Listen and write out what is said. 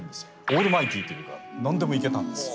オールマイティというか何でもいけたんです。